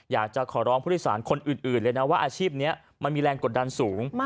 อยากจะขอร้องผู้โดยสารคนอื่นเลยนะว่าอาชีพนี้มันมีแรงกดดันสูง